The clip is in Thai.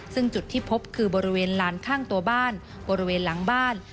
ซึ่งจุดที่พบคือบริเวณลานข้างตัวบ้านบริเวณหลังบ้าน